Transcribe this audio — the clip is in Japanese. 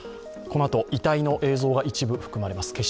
このあと遺体の映像が一部含まれます。